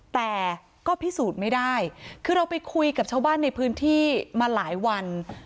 แต่ก็พิสูจน์ไม่ได้คือเราไปคุยกับชาวบ้านในพื้นที่มาหลายวัน